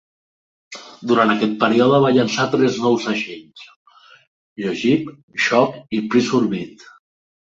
Durant aquest període va llançar tres nous segells: Jogib, Shock i Pressure Beat.